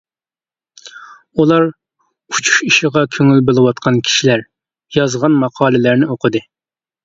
ئۇلار ئۇچۇش ئىشىغا كۆڭۈل بۆلۈۋاتقان كىشىلەر يازغان ماقالىلەرنى ئوقۇدى.